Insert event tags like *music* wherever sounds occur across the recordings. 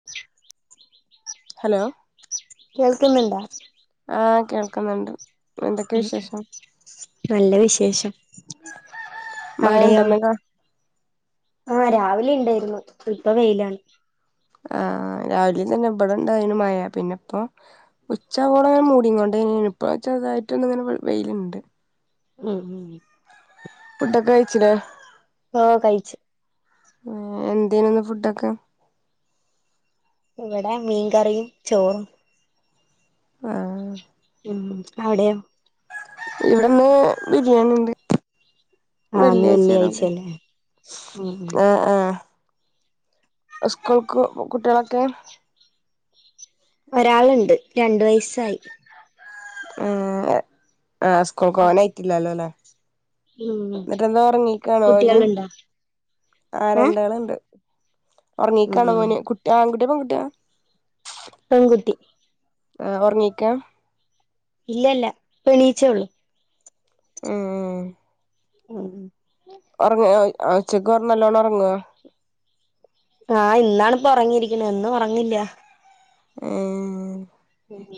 *unintelligible* Hello കേൾക്കുന്നുണ്ടാ ആഹ് കേൾക്കുന്നുണ്ട് എന്തൊക്കെ വിശേഷം നല്ല വിശേഷം മഴ അവിടെയോ ഇണ്ടെന്നക്ക ആഹ് രാവിലെ ഇണ്ടേരുന്നു ഇപ്പ വെയിലാണ് ആഹ് രാവില തന്നെ ഇബടെ ഇണ്ടായന് മഴ പിന്നെ ഇപ്പോ ഉച്ചാ ആവോളം മൂടിങ്ങോണ്ടനിഇപ്പ ചെറുതായിട്ട് ഒന്ന ഇങ്ങനെ വെയില്ണ്ട് ഉം ഉം ഫുഡോക്കെ കഴിച്ചില്ലേ ആഹ് കഴിച്ച് ഏഹ് എന്തേനി ഇന്ന് ഫുഡൊക്കെ? ഇവടെ മീൻകറിയും ചോറും ആഹ് ഉം ആട്യൊ ഇവിടെ ഇന്ന് ബിരിയാണിണ്ട് ആഹ് ഇന്ന് വെള്ളിയാഴ്ച ആയതോണ്ട് വെള്ളിയാഴ്ചയല്ലേ ഉം ഉം ആഹ് ആഹ് സ്കൂൾക്കു കുട്ട്യാളൊക്കെ ഒരാളുണ്ട് രണ്ട് വയസ്സായി ആഹ് സ്കൂൾക്ക് പോകാനായിട്ടില്ലെല്ലോ അല്ലേ ഉം ഇന്നട്ടെന്താ ഉറങ്ങിക്കാണോ ഓല് കുട്ടികളുണ്ടോ ആഹ് രണ്ടാള്ണ്ട് ഉം ഒറങ്ങിക്കാണ് ഉം മോന് കുട്ടി ആകുട്ടിയോ പെകുട്ടിയോ പെൺകുട്ടി ആഹ് ഓറ്ങ്ങിക്കാ ഇല്ലല്ല ഇപ്പൊ എണീച്ചേ ഒള്ളൂ ഉം ഉം ഉം ഉം ഒർങ്ങു ഓ ഉച്ചക്ക് ഓന് നല്ലോണം ഒറങ്ങോ ആഹ് ഇന്നാണിപ്പോ ഒറങ്ങിയിരിക്കണേ എന്നും ഉറങ്ങില്ല ഉം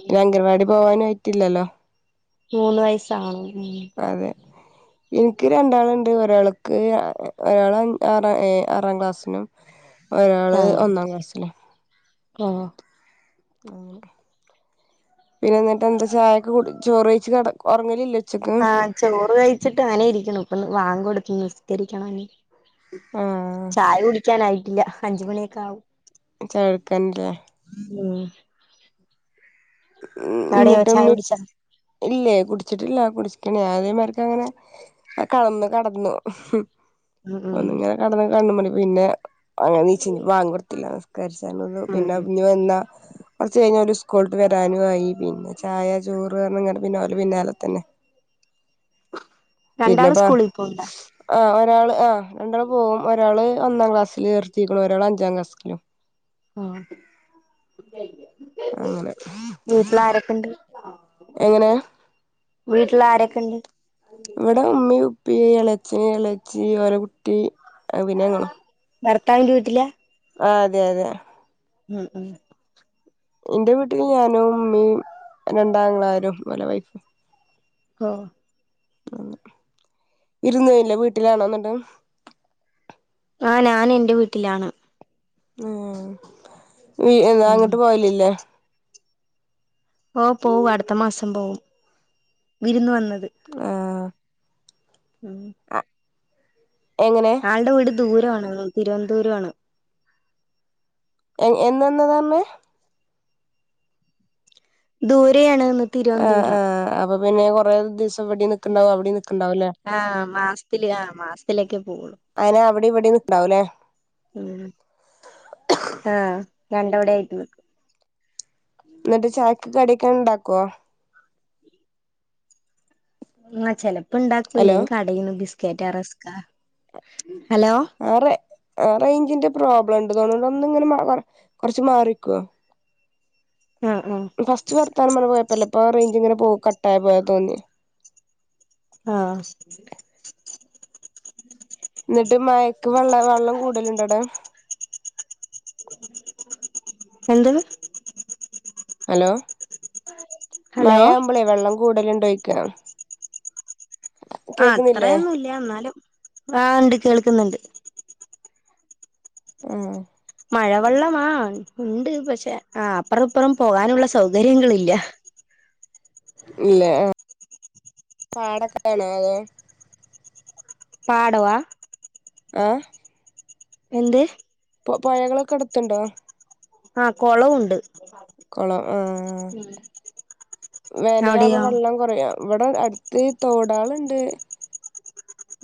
പിന്നെ അംഗൽവാടി പോവാന് ആയിട്ടില്ലല്ലോ മൂന്ന് വയസ്സാവണം ഉം. അതെ ഇൻക്ക് രണ്ടാള്ണ്ട് ഒരാൾക്ക് ഒരാൾ ആറ് ഏ ആറാം ക്ലാസ്സിനും ആഹ് ആഹ് ഉം പിന്നെ എന്നിട്ട് എന്താ ചായൊക്കെ കുടി ചോറെഴ്ച്ച് കട ഒറങ്ങലില്ലോ ആഹ് ചോറ് വെയിൽച്ചിട്ടങ്ങനെ ഇരിക്ക്ണു ഇപ്പൊ ബാങ്ക് കൊടുത്ത് നിസ്കരിക്കണം ഇനി ആ ചായ കുടിക്കാനായിട്ടില്ല അഞ്ചുമണിയൊക്കെ ആവും ചേർക്കാൻല്ലേ ഉം ആടെയോ ചായ കുടിച്ചോ ഇല്ലേയ് കുടിച്ചിട്ടില്ല കുടിക്ക്ണ് അതേ മാതിരിക്ക് അങ്ങനെ കടന്ന് കടന്നു ഉം ഉം ഒന്ന് ഇങ്ങനെ കടന്ന് കണ്ണ്മ്മല് പിന്നെ അങ്ങനെ നീച്ചി ഇനി ബാങ്ക് കൊടുത്തില്ല നിസ്കരിച്ചാൻ നിന്ന് ഉം പിന്നെ ഉം ഇനി വന്നാ കൊർച്ച് കഴിഞ്ഞാ ഓര് സ്കൂളിട്ട് വരാനും ആയി പിന്നെ ചായ ചോറ്അർഞ്ഞ്ങ്ങാണ്ട് പിന്നെ ഓലെ പിന്നെലത്തന്നെ രണ്ടാള് പിന്നെപ്പോ സ്കൂളിൽ പോവ്ണ്ടാ ആഹ് ഒരാള് ആ രണ്ടാള് പോവും ഒരാള് ഒന്നാം ക്ലാസ്സില്ചേർത്തീക്ക്ണു ഒരാള് അഞ്ചാം ക്ലാസ്സിലും ആഹ് അങ്ങനെ വീട്ടിലാരൊക്കെണ്ട് എങ്ങനെ വീട്ടില് ആരൊക്കെണ്ട് ഇവിടെ ഉമ്മീ ഉപ്പി എളച്ചന് എളച്ചി ഓലെ കുട്ടി പിന്നെ ഞങ്ങളും ഭർത്താവിൻ്റെ വീട്ടിലാ ആഹ് അതെ അതെ ഉം ഉം ഇന്റെ വീട്ടില് ഞാനും ഉമ്മയും രണ്ടാങ്ങളാരും ഓലെ വൈഫും ഹോ ഉം ഇരുന്ന് കഴിഞ്ഞില്ലേ വീട്ടിലാണോ ഇന്നട്ട് ആഹ് ഞാന് ഇൻ്റെ വീട്ടിലാണ് ഏഹ് ഇനി എന്നാ ഉം അങ്ങട്ട് പോകലില്ലേ ഓഹ് പോവും അടുത്ത മാസം പോവും വിരുന്ന് വന്നത് ആഹ് ഉം അഹ് എങ്ങനെ അയാളുടെ വീട് ദൂരമാണ് തിരുവനന്തപുരാണ് എഹ് എന്ന് വന്നാതാർഞ്ഞ് ദൂരെയാണ്ന്ന് ആഹ് തിരുവനന്തപുരം ആഹ് അപ്പൊ പിന്നെ കുറേ ദിവസം വിടിം നിക്കണ്ടാവും അവിടിം യും നിക്കണ്ടാവുംല്ലേ ആഹ് മാസ്ത്തില് ആ മാസ്ത്തിലേക്കെ പോവുള്ളൂ അങ്ങനെ അവിടിം ഇവിടിം നിക്ക്ണ്ടാവുംല്ലേ ഉം ആഹ് രണ്ടവിടെ ആയിട്ട്നിക്കും ന്നിട്ട് ചായക്ക് കടിയൊക്കെണ്ടാക്കോ ആഹ് ഹലോ ചെലപ്പോണ്ടാക്കൂല്ലെങ്കി കടീന്ന് ബിസ്കറ്റോ റസ്ക്കാ ഹലോ ആഹ് റേ ഏ റേഞ്ചിന്റെ പ്രോബ്ലംണ്ട്തോണുന്നു ഒന്ന് ഇങ്ങനെ മാ കൊർച്ച് മാറിക്കോ മ്മ് മ്മ് ഫസ്റ്റ് വർത്താനൻ മ പോയപ്പപ്പോ റേഞ്ച് ഇങ്ങന പോ കട്ട ആ പോയാ തോന്നി ആഹ് എന്നിട്ട് മഴക്ക് വെള്ള വെള്ളം കൂടുതലുണ്ട്ടാ എന്ത് ഹലോ ഹലോ മഴവുമ്പളേ വെള്ളം കൂടുല ഉണ്ടോയ്ിക്ക ആ കേക്കുന്നില്ലേ അത്രയൊന്നും ഇല്ല എന്നാലും ആ ഉണ്ട് കേൾക്കുന്നുണ്ട് മ്മ് മഴവെള്ളമാ ഉണ്ട് പക്ഷെ ആ അപ്പുറംപ്പുറം പോകാനുള്ള സൗകര്യങ്ങളില്ല ഇല്ലേ ആ പാടക്കെ ആണോ അതോ പാടവാ ആഹ് എന്തേ ഇപ്പൊ പുഴകളൊക്കെ എടുത്തുണ്ടോ? ആഹ കുളവുണ്ട് കുളം ആ വേനലുമ്പോ അവിടെയോ വെള്ളം കൊറയാ ഇവിടെ അടുത്ത് തോടാളുണ്ട്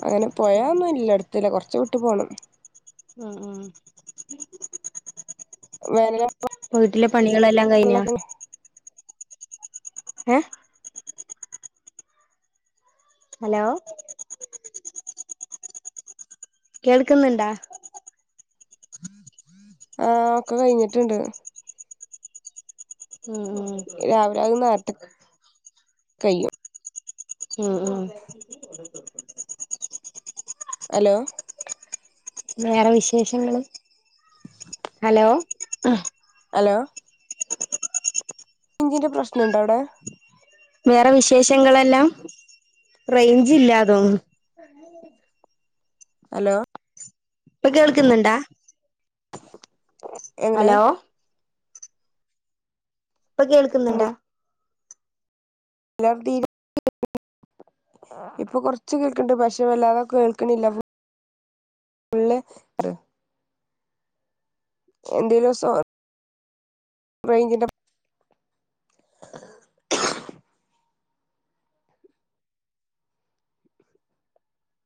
അങ്ങനെ പോയൊന്നുമല്ല അടു അല്ല കുറച്ച വിട്ട് പോകണം ആഹ് വേനലാ ആഹ് വീട്ടിലെ പണികളെല്ലാം കഴിഞ്ഞാ വെള്ളൊക്കെ ഏ ഹലോ കേൾക്കുന്നുണ്ടാ ആ ഒക്കെ കഴിഞ്ഞിട്ടുണ്ട് ഉം ഉ രാവിലെക നേരത്തെ കഴും ഉം ഉം ഹലോ വേറെ വിശേഷങ്ങ ഹലോ ഹലോ ഇചിന്റെ പ്രശ്നംുണ്ട് അവിടെ വേറെ വിശേഷങ്ങളെല്ലാം റേഞ്ച് ഇല്ലാതോന്നുന്നു *unintelligible* ഹലോ ഇപ്പൊ കേൾക്കുന്നുണ്ടാ എങ്ങനെ ഹലോ ഇപ്പൊ കേൾക്കുന്നുണ്ടാ *unintelligible* ഇപ്പൊ കൊറച്ച് കേൾക്കണ്ട് പക്ഷം വല്ലാതെെ കേൾക്കണില്ല *unintelligible* എന്ന്തതിലിവ സോ റെയിഞ്ചിന്റെ